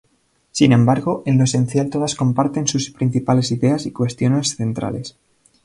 Sin embargo, en lo esencial todas comparten sus principales ideas y cuestiones centrales.